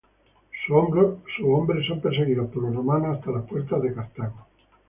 Sus hombres son perseguidos por los romanos hasta las puertas de Cartago.